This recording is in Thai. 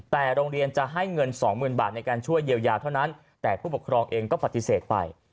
แต่โรงเรียนจะให้เงินสองหมื่นบาทในการช่วยเยียวยาเท่านั้นแต่ผู้ปกครองเองก็ปฏิเสธไป